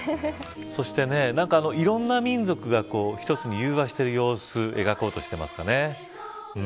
そして、いろんな民族が一つに融和している様子描こうとしてますかね。